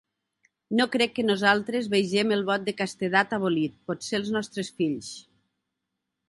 No crec que nosaltres vegem el vot de castedat abolit, potser el nostres fills...